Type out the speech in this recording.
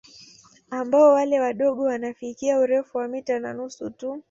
Ambao wale wadogo wanafikia urefu wa mita na nusu tu